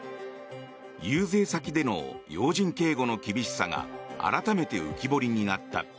遊説先での要人警護の厳しさが改めて浮き彫りになった。